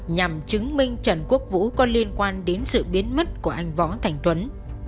nhằm chứng minh trần quốc vũ có liên quan đến sự biến mất của anh võ thành tuấn